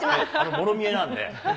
もろ見えなんで。